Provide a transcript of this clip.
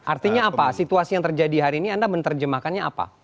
artinya apa situasi yang terjadi hari ini anda menerjemahkannya apa